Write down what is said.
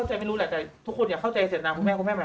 ทุกคนอย่าเข้าใจเสียตนาของคุณแม่หรอ